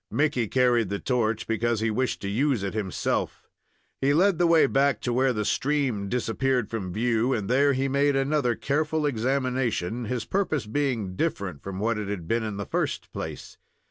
Mickey carried the torch, because he wished to use it himself. He led the way back to where the stream disappeared from view, and there he made another careful examination, his purpose being different from what it had been in the first place.